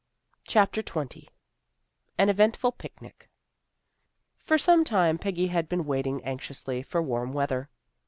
CHAPTER XX AN EVENTFUL PICNIC FOR some time Peggy had been waiting anxiously for warm weather.